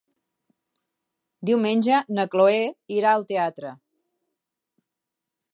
Diumenge na Cloè irà al teatre.